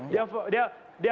dia fokus pada kinerja